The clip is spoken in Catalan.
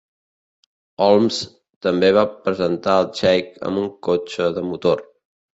Holmes també va presentar el xeic amb un cotxe de motor.